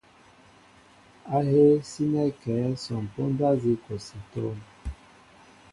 Ahéé sínέ kɛέ son póndá nzi kɔsi é tóóm ?